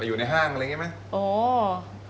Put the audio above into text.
มาอยู่ในห้างอะไรแบบนี้ไหม